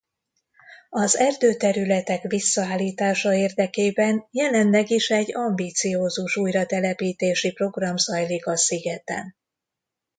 Az erdőterületek visszaállítása érdekében jelenleg is egy ambiciózus újratelepítési program zajlik a szigeten.